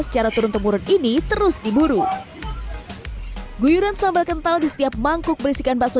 secara turun temurun ini terus diburu guyuran sambal kental di setiap mangkuk berisikan bakso